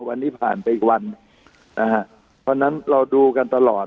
วันนี้ผ่านไปอีกวันนะฮะเพราะฉะนั้นเราดูกันตลอด